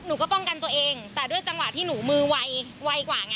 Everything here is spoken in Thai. หนูก็ป้องกันตัวเองแต่ด้วยจังหวะที่หนูมือไวกว่าไง